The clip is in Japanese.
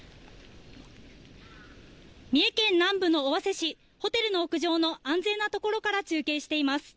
三重県南部の尾鷲市、ホテルの屋上の安全な所から中継しています。